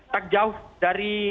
tak jauh dari